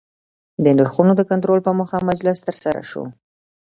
د نرخونو د کنټرول په موخه مجلس ترسره سو